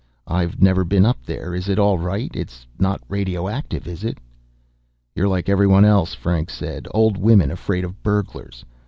"I've never been up there. Is it all right? It's not radioactive, is it?" "You're like everyone else," Franks said. "Old women afraid of burglars.